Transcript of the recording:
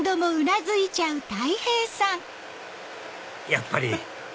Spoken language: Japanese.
やっぱり！